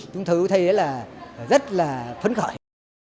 chúng tôi thấy rất là phấn khởi